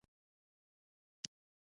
ګڼه ګوڼه ډېره زیاته وه.